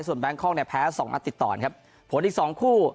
ส่วนแบงค์คล่องแพ้๒นัดติดต่อนครับผลอีก๒คู่